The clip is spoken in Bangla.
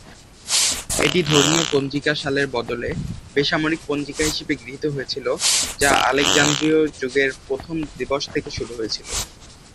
এটি ধর্মীয় পঞ্জিকা সালের বদলে বেসামরিক পঞ্জিকা হিসেবে গৃহীত হয়েছিলো যা আলেকজান্দ্রীয় যুগের প্রথম দিবস থেকে শুরু হয়েছিলো।